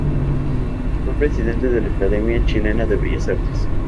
Fue Presidente de la Academia Chilena de Bellas Artes.